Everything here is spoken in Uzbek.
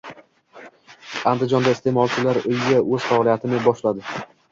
Andijonda «Iste’molchilar uyi» o‘z faoliyatini boshladi